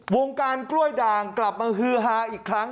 วงการกล้วยด่างกลับมาฮือฮาอีกครั้ง